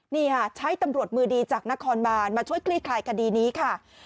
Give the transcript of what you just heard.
นี่ค่ะใช้ตำรวจมือดีจากนครบานมาช่วยคลี่คลายคดีนี้ค่ะ